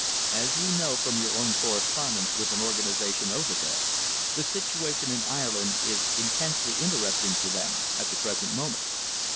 As you know from your own correspondence with an organisation over there, the situation in Ireland is intensely interesting to them at the present moment."